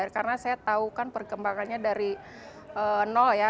karena saya tahu kan perkembangannya dari nol ya